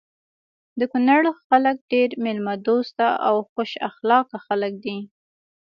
د کونړ خلک ډير ميلمه دوسته او خوش اخلاقه خلک دي.